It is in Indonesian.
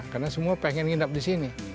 karena semua pengen hidup di sini